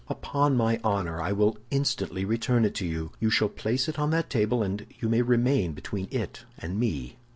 "Upon my honor, I will instantly return it to you. You shall place it on that table, and you may remain between it and me."